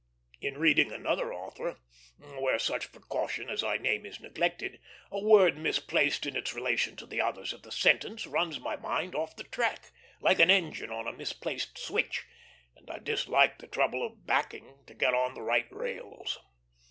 In reading another author, where such precaution as I name is neglected, a word misplaced in its relation to the others of the sentence runs my mind off the track, like an engine on a misplaced switch, and I dislike the trouble of backing to get on the right rails.